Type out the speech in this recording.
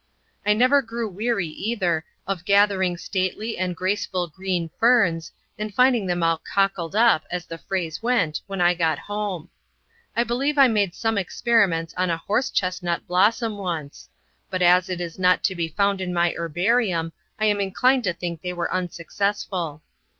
I never grew weary, either, of gathering stately and graceful green ferns, and finding them all "cockled up," as the phrase went, when I got home. I believe I made some experiments on a horsechestnut blossom once; but as it is not to be found in my Herbarium, I am inclined to think they were unsuccessful.